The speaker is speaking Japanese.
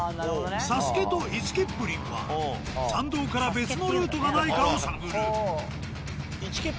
佐助とイチキップリンは山道から別のルートがないかを探る。